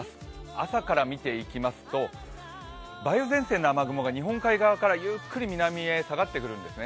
朝から見ていきますと梅雨前線の雨雲が日本海側からゆっくり南へ下がって来るんですね。